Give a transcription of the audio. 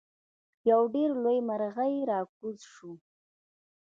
یو ډیر لوی مرغۍ راکوز شو.